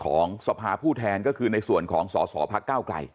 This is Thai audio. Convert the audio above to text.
ของสภาผู้แทนก็คือในส่วนของสสพก